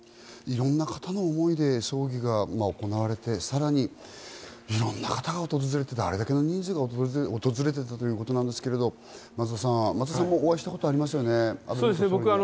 いろんな方の思いで葬儀が行われて、さらに、いろんな方が訪れて、あれだけの人が訪れていたということなですけれども、松田さんもお会いしたことありますよね。